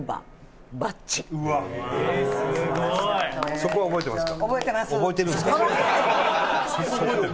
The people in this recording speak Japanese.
そこは覚えてるのか。